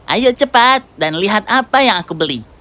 ayo cepat dan lihat apa yang aku beli